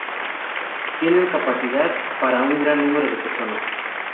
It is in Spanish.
Tienen capacidad para un gran número de personas.